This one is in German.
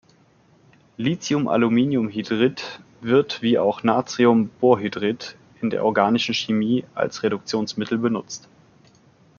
Lithiumaluminiumhydrid wird, wie auch Natriumborhydrid, in der Organischen Chemie als Reduktionsmittel benutzt.